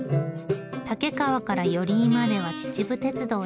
武川から寄居までは秩父鉄道で。